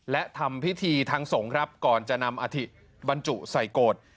และทำพิธีทางสงฆ์ครับก่อนจะนำอาธิบรรจุใส่โกรธ